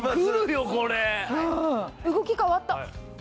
動き変わった！